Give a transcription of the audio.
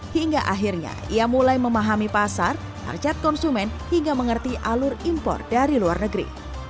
hingga akhirnya ia mulai memahami pasar harcat konsumen hingga mengerti alur impor dari luar negeri